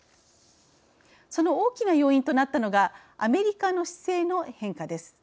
その大きな要因となったのがアメリカの姿勢の変化です。